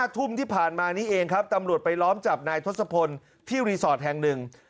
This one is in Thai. ทุ่มที่ผ่านมานี้เองครับตำรวจไปล้อมจับนายทศพลที่รีสอร์ทแห่งหนึ่ง